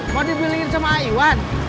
mau dibeliin sama aiwan